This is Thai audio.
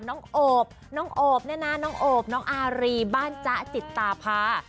โอบน้องโอบเนี่ยนะน้องโอบน้องอารีบ้านจ๊ะจิตตาพา